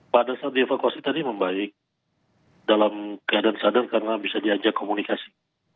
pada saat dievakuasi tadi membaik dalam keadaan sadar karena bisa diajak komunikasi